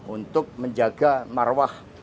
untuk menjaga marwah